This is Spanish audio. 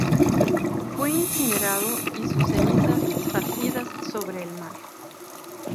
Fue incinerado y sus cenizas esparcidas sobre el mar.